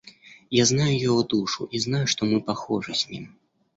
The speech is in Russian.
Я знаю его душу и знаю, что мы похожи с ним.